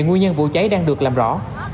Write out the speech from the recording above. giấy đang được làm rõ